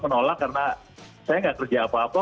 menolak karena saya nggak kerja apa apa